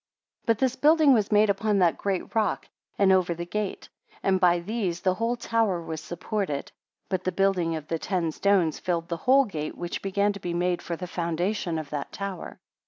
30 But this building was made upon that great rock, and over the gate; and by these the whole tower was supported. But the building of the ten stones filled the whole gate, which began to be made for the foundation of that tower.